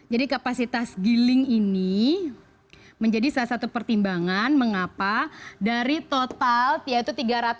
jadi kapasitas giling ini menjadi salah satu pertimbangan mengapa dari total yaitu tiga ratus delapan puluh satu